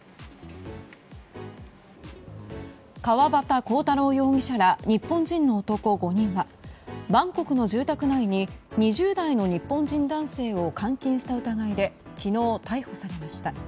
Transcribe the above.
川端浩太郎容疑者ら日本人の男５人はバンコクの住宅内に２０代の日本人男性を監禁した疑いで昨日、逮捕されました。